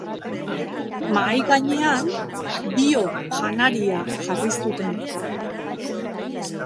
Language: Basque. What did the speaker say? Mahai gainean bio janaria jarri zuten.